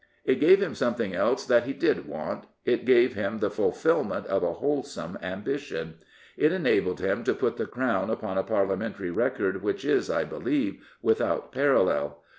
It gave him something else that he did want. It gave him the fulfilment of a wholesome ambition. It enabled him to put the crown upon a Parliamentary record which is, I believe, without parallel.